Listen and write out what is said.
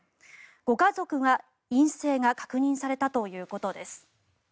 ご家族は陰性が確認されたということです。